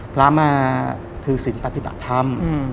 พระมาถือศิลป์ปฏิบัติธรรม